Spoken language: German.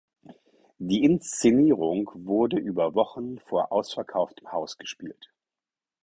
Die Inszenierung wurde über Wochen vor ausverkauftem Haus gespielt.